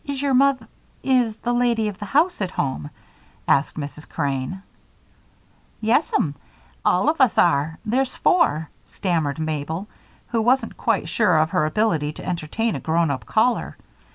"Is your moth Is the lady of the house at home?" asked Mrs. Crane. "Yes'm, all of us are there's four," stammered Mabel, who wasn't quite sure of her ability to entertain a grown up caller.